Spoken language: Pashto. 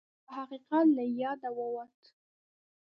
دا حقیقت له یاده ووت